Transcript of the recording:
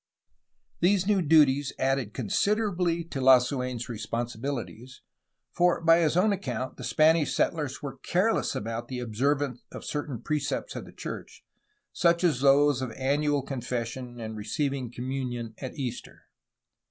These new duties added considerably to Lasu^n's responsibilities, for by his own account the Spanish settlers were careless about observance of certain precepts of the church, such as those of annual confession and receiving communion at Easter.